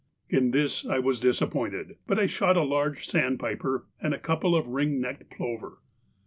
In this I was disappointed, but I shot a large sandpiper and a couple of ring necked plover.